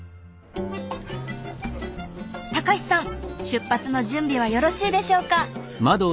隆さん出発の準備はよろしいでしょうか？